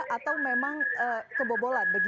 atau memang kebobolan